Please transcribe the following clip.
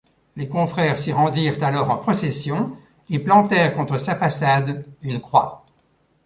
Les confrères s'y rendirent alors en procession et plantèrent contre sa façade une croix.